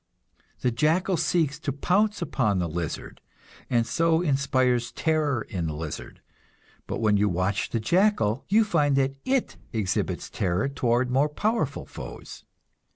The jackal seeks to pounce upon the lizard, and so inspires terror in the lizard; but when you watch the jackal you find that it exhibits terror toward more powerful foes.